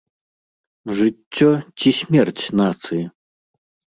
Жыццё ці смерць нацыі?